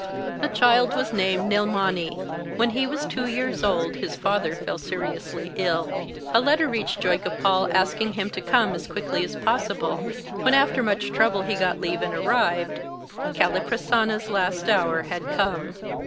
II The child was named Nilmani. When he was two years old his father fell seriously ill. A letter reached Joygopal asking him to come as quickly as possible. When after much trouble he got leave and arrived, Kaliprasanna's last hour had come.